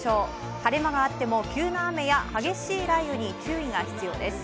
晴れ間があっても、急な雨や激しい雷雨に注意が必要です。